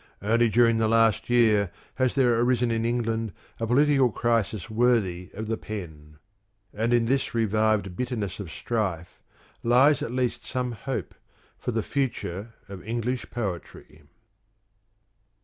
Only during the last year has there arisen in England a political crisis worthy of the pen: and in this revived bitterness of strife lies at least some hope for the future of English poetry.